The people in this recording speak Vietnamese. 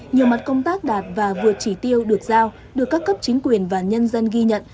nhiều mặt công tác đạt và vượt chỉ tiêu được giao được các cấp chính quyền và nhân dân ghi nhận